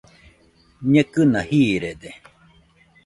Ñekɨna jiiride